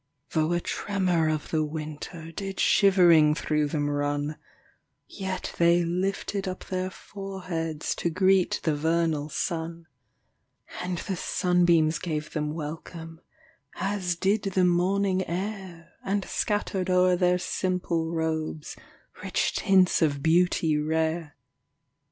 5 Though a tremor of the winter Did shivering through them run; Yet they lifted up their foreheads To greet the vernal sun. And the sunbeams gave them welcome. As did the morning air And scattered o'er their simple robes Rich tints of beauty rare.